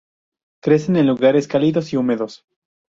Crecen en lugares cálidos y húmedos.